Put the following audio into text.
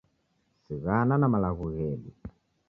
Sighana na malagho ghedu